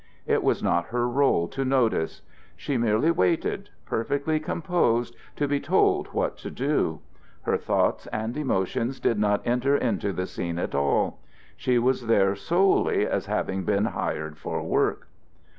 It was not her role to notice. She merely waited, perfectly composed, to be told what to do. Her thoughts and emotions did not enter into the scene at all; she was there solely as having been hired for work.